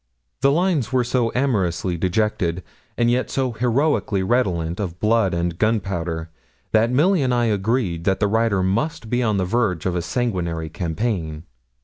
The lines were so amorously dejected, and yet so heroically redolent of blood and gunpowder, that Milly and I agreed that the writer must be on the verge of a sanguinary campaign.